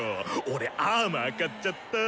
俺アーマー買っちゃった。